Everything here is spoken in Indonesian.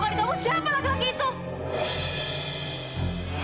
kalau bukan kamu siapa